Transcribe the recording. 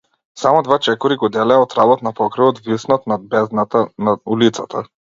Само два чекори го делеа од работ на покривот виснат над бездната на улицата.